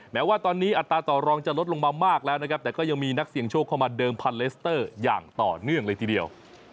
แม้ว่าตอนนี้อัตราต่อรองจะลดลงมามากแล้วนะครับแต่ก็ยังมีนักเสี่ยงโชคเข้ามาเดิมพันเลสเตอร์อย่างต่อเนื่องเลยทีเดียว